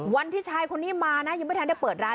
วันที่ชายคนนี้มานะยังไม่ทันได้เปิดร้าน